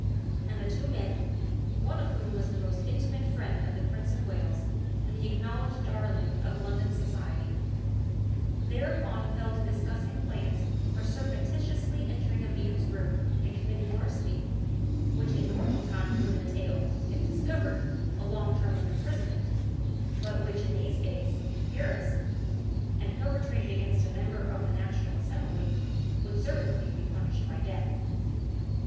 And the two men one of whom was the most intimate friend of the Prince of Wales and the acknowledged darling of London society thereupon fell to discussing plans for surreptitiously entering a man's room and committing larceny, which in normal times would entail, if discovered, a long term of imprisonment, but which, in these days, in Paris, and perpetrated against a member of the National Assembly, would certainly be punished by death.